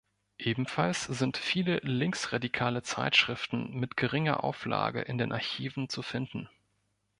Ebenfalls sind viele linksradikale Zeitschriften mit geringer Auflage in den Archiven zu finden.